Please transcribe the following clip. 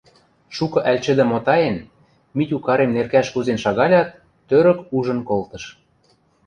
Шукы ӓль чӹдӹ мотаен, Митю карем неркӓш кузен шагалят, тӧрӧк ужын колтыш.